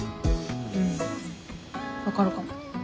うん分かるかも。